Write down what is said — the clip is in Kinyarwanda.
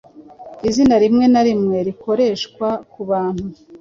Izina rimwe na rimwe rikoreshwa kubantu